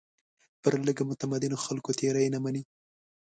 پر لږ متمدنو خلکو تېري نه مني.